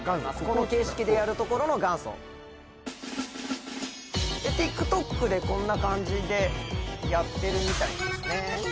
この形式でやるところの元祖ＴｉｋＴｏｋでこんな感じでやってるみたいですね